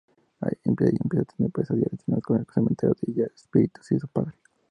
Ellie empieza a tener pesadillas relacionadas con el cementerio, Gage, espíritus y su padre.